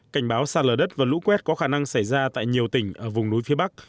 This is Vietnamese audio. cảnh báo sạt lở đất và lũ quét có khả năng xảy ra tại nhiều tỉnh ở vùng núi phía bắc